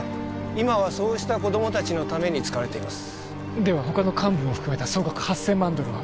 今はそうした子供達のために使われていますでは他の幹部も含めた総額８０００万ドルは？